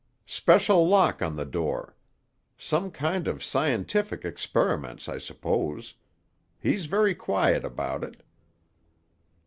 Special lock on the door. Some kind of scientific experiments, I suppose. He's very quiet about it."